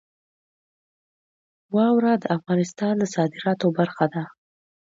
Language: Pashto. واوره د افغانستان د صادراتو برخه ده.